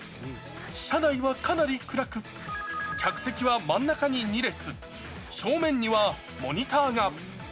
車内はかなり暗く、客席は真ん中に２列、正面にはモニターが。